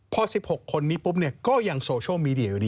พอ๑๖คนนี้ปุ๊บก็ยังโซเชียลมีเดียอยู่ดี